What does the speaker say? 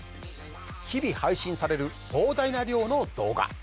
日々配信される膨大な量の動画。